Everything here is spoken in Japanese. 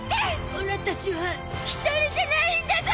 オラたちは一人じゃないんだゾ！